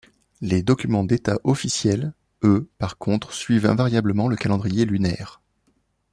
Les documents d'état officiels, eux par contre suivent invariablement le calendrier lunaire.